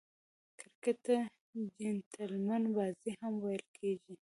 کرکټ ته "جېنټلمن بازي" هم ویل کیږي.